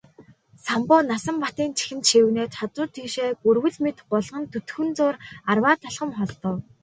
Самбуу Насанбатын чихэнд шивгэнээд хажуу тийшээ гүрвэл мэт гулган төдхөн зуур арваад алхам холдов.